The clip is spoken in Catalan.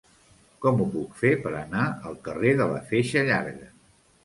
Com ho puc fer per anar al carrer de la Feixa Llarga?